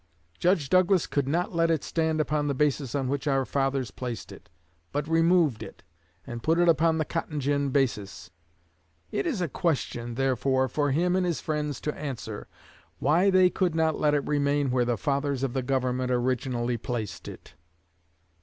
Judge Douglas could not let it stand upon the basis on which our fathers placed it, but removed it, and put it upon the cotton gin basis. It is a question, therefore, for him and his friends to answer why they could not let it remain where the fathers of the Government originally placed it.